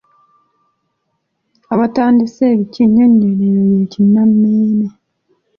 Abatandisi b’Ennyinnyonnyolero y’Ekinnammeeme